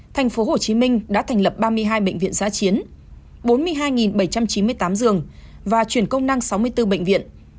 thành phố hồ chí minh đã thành lập ba mươi hai bệnh viện giá chiến bốn mươi hai bảy trăm chín mươi tám giường và chuyển công năng sáu mươi bốn bệnh viện